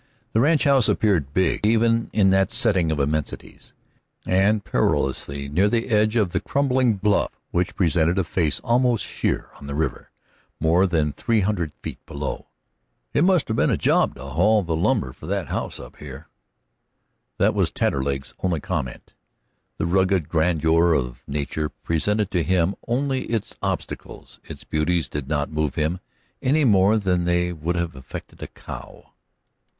The ranchhouse appeared big even in that setting of immensities, and perilously near the edge of the crumbling bluff which presented a face almost sheer on the river more than three hundred feet below. "It must 'a' been a job to haul the lumber for that house up here." That was Taterleg's only comment. The rugged grandeur of nature presented to him only its obstacles; its beauties did not move him any more than they would have affected a cow.